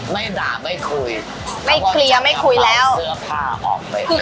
ไม่เข้าเข้าเห็นเรา